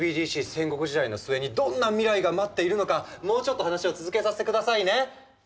戦国時代の末にどんな未来が待っているのかもうちょっと話を続けさせてくださいね。